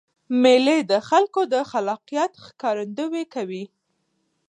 مېلې د خلکو د خلاقیت ښکارندویي کوي.